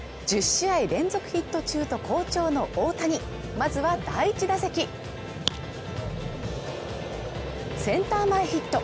１０試合連続ヒット中と好調の大谷まずは第１打席センター前ヒット